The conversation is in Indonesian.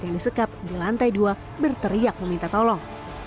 yang disekap di lantai dua berteriak meminta tolong